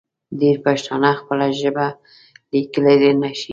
ډېری پښتانه خپله ژبه لیکلی نشي.